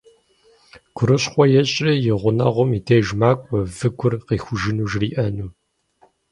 Гурыщхъуэ ещӀри и гъунэгъум и деж макӀуэ, выгур къихужыну жриӏэну.